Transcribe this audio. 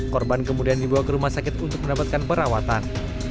korban kemudian dibawa ke rumah sakit untuk mendapatkan perawatan